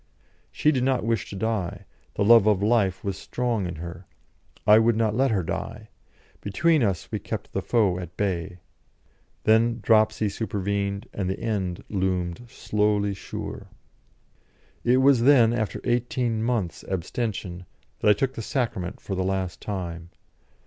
She did not wish to die, the love of life was strong in her; I would not let her die; between us we kept the foe at bay. Then dropsy supervened, and the end loomed slowly sure. It was then, after eighteen months' abstention, that I took the Sacrament for the last time.